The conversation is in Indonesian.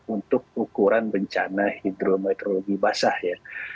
untuk ukuran bencana hidrometeorologi basah ya